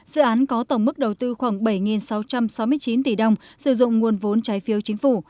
dự án có tổng mức đầu tư khoảng bảy sáu trăm sáu mươi chín tỷ đồng sử dụng nguồn vốn trái phiếu chính phủ